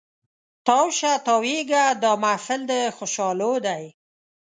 تاو شه تاویږه دا محفل د خوشحالو دی